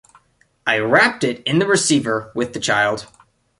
I wrapped it in the receiver with the child.